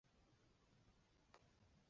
它是钴胺族化合物中的一个基本成员。